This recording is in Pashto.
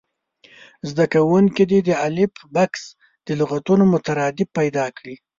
زده کوونکي دې د الف بکس د لغتونو مترادف پیدا کړي.